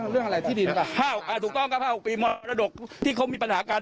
เรื่องอะไรที่ดินป่ะถูกต้องครับ๕๖ปีมรดกที่เขามีปัญหากัน